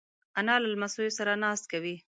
انا له لمسیو سره ناز کوي